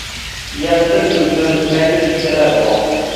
Yaltir-yultir mayda-chuydalar bor.